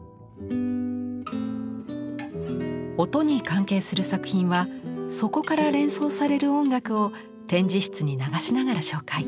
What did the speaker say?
音に関係する作品はそこから連想される音楽を展示室に流しながら紹介。